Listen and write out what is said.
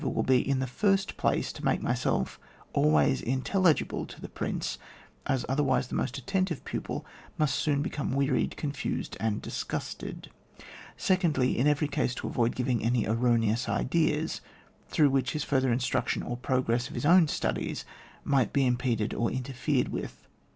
Tactics, or the will be, in the first place, to make myself always intelligible to the Prince, as other wise the most attentive pupil must soon become wearied, confused and disgusted ; secondly, in every case to avoid giving any erroneous ideas, through which his further instruction or the progress of his own studies might be impeded or inter fered with.